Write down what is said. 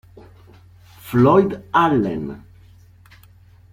Floyd Allen